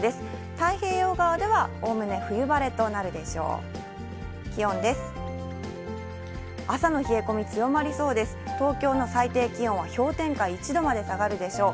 太平洋側ではおおむね冬晴れとなるでしょう。